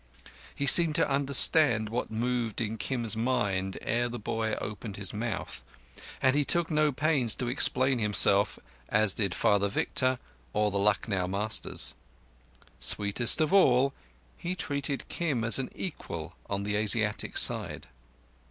He seemed to understand what moved in Kim's mind ere the boy opened his mouth, and he took no pains to explain himself as did Father Victor or the Lucknow masters. Sweetest of all—he treated Kim as an equal on the Asiatic side.